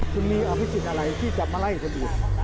คุณมีอภิกิตอะไรที่จับมาไล่สักอย่าง